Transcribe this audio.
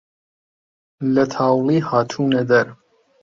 لە تاوڵی هاتوونە دەر